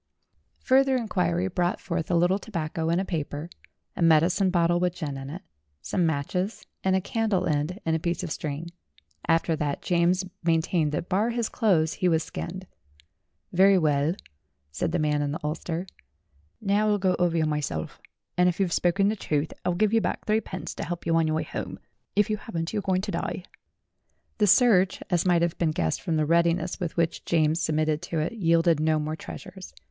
Further inquiry brought forth a little tobacco in a paper, a medicine bottle with gin in it, some matches and a candle end, and a piece of string. After that James maintained that bar his clothes he was skinned. "Very well," said the man in the ulster. "Now I'll go over you myself, and if you've spoken the truth, I'll give you back threepence to help you on your way home. If you haven't, you're going to die." The search, as might have been guessed from the readiness with which James submitted to it, yielded no more treasures.